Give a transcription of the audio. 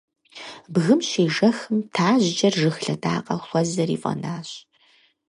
Бгым щежэхым, тажьджэр жыг лъэдакъэ хуэзэри фӀэнащ.